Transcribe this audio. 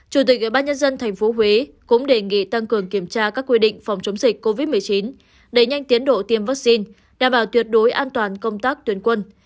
chủ tịch ủy ban nhân dân thành phố huế cũng đề nghị tăng cường kiểm tra các quy định phòng chống dịch covid một mươi chín đẩy nhanh tiến độ tiêm vaccine đảm bảo tuyệt đối an toàn công tác tuyên quân